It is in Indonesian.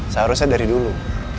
seharusnya dari dulu